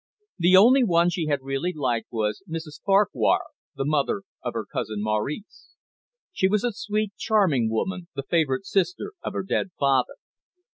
The only one she had really liked was Mrs Farquhar, the mother of her Cousin Maurice. She was a sweet, charming woman, the favourite sister of her dead father.